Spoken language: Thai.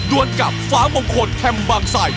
ด้วนกับฟ้ามงคลแค่มบางสัย